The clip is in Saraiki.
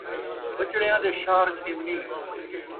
ٻچڑیاں دے شہَر تھیونِیں